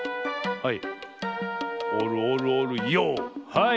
はい。